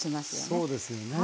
そうですよね。